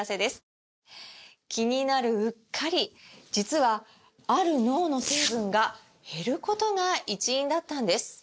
気になるうっかり実はある脳の成分が減ることが一因だったんです